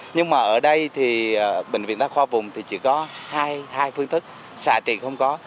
nhưng mà ở đây thì bệnh viện đa khoa vùng thì chỉ có hai phương thức xả trị không có